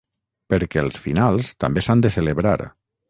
Perquè els finals també s’han de celebrar!